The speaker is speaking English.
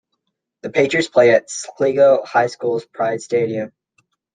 The Patriots play at Clio High School's Pride Stadium.